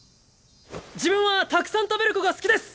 自分はたくさん食べる子が好きです！